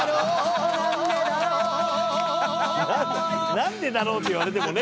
「なんでだろう」って言われてもね。